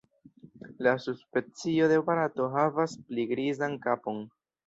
La subspecio de Barato havas pli grizan kapon.